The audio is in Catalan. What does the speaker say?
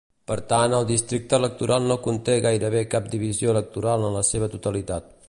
Per tant, el districte electoral no conté gairebé cap divisió electoral en la seva totalitat.